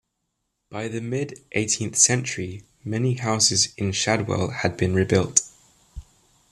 By the mid-eighteenth century, many houses in Shadwell had been rebuilt.